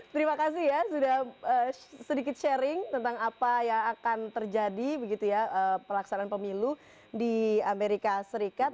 terima kasih ya sudah sedikit sharing tentang apa yang akan terjadi begitu ya pelaksanaan pemilu di amerika serikat